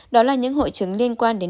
đó là những hội chứng liên quan đến